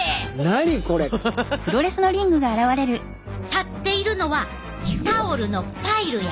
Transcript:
立っているのはタオルのパイルや。